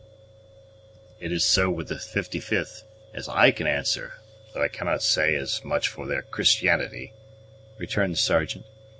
"It is so with the 55th, as I can answer, though I cannot say as much for their Christianity," returned the Sergeant.